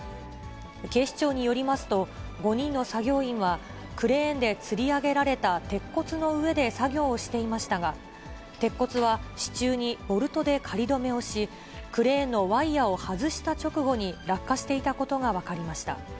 警視庁によりますと、５人の作業員は、クレーンでつり上げられた鉄骨の上で作業をしていましたが、鉄骨は支柱にボルトで仮止めをし、クレーンのワイヤを外した直後に落下していたことが分かりました。